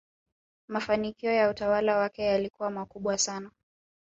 mafanikio ya utawala wake yalikuwa makubwa sana